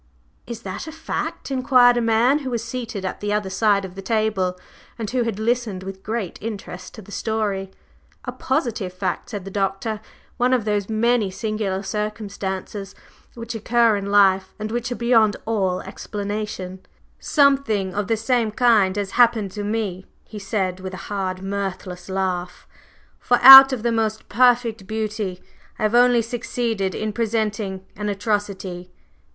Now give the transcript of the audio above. "Is that a fact?" inquired a man who was seated at the other side of the table, and who had listened with great interest to the story. "A positive fact," said the Doctor. "One of those many singular circumstances which occur in life, and which are beyond all explanation." Gervase moved restlessly; then filling for himself a glass of claret, drained it off thirstily. "Something of the same kind has happened to me," he said with a hard, mirthless laugh, "for out of the most perfect beauty I have only succeeded in presenting an atrocity."